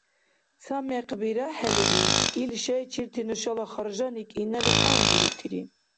Ца мекъ бирахӀелри, ил шайчирти нушала харжани кӀинали камдирутири.